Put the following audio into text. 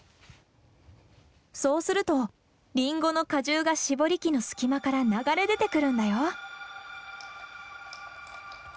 そうするとリンゴの果汁がしぼり機の隙間から流れ出てくるんだよ。